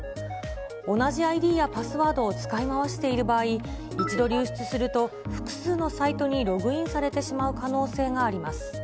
同じＩＤやパスワードを使い回している場合、一度流出すると、複数のサイトにログインされてしまう可能性があります。